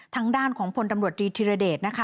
ทางด้านของผลตำรวจดีทีระเด็ดนะคะ